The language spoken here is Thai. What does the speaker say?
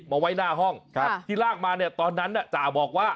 มาไว้หน้าห้องครับที่ลากมาเนี่ยตอนนั้นจ่าบอกว่า